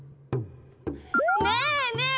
ねえねえ